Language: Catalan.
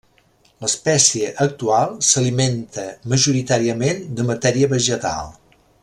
L'espècie actual s'alimenta majoritàriament de matèria vegetal.